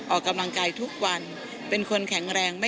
ออกกำลังกายทุกวันเป็นคนแข็งแรง